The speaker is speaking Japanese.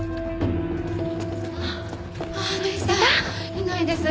いないです。